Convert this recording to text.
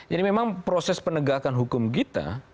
jadi memang proses penegakan hukum kita